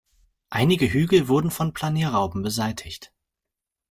Einige Hügel wurden von Planierraupen beseitigt.